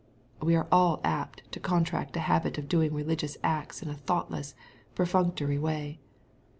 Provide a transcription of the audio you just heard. '* We are all apt to contract a habit of doing religious acts in a thoughtless, perfunctory way.